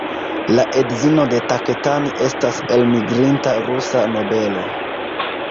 La edzino de Taketani estas elmigrinta rusa nobelo.